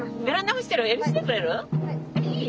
いい？